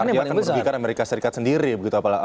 artinya akan diperlukan amerika serikat sendiri begitu apalah